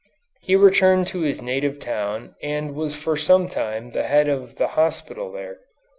He returned to his native town and was for some time the head of the hospital there.